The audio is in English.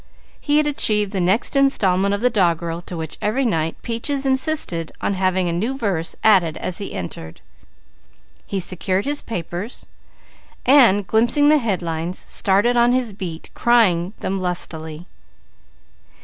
He had achieved the next installment of the doggerel to which every night Peaches insisted on having a new verse added as he entered. He secured his papers, and glimpsing the headlines started on his beat crying them lustily.